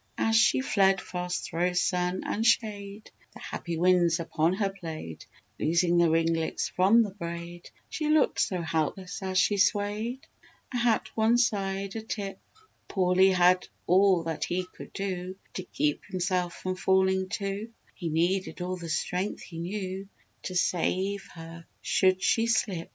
As she fled fast thro' sun and shade, The happy winds upon her played, Loosing the ringlets from the braid; She looked so helpless as she swayed, Her hat one side a tip, Pauly had all that he could do To keep himself from falling too; He needed all the strength he knew, To save her should she slip!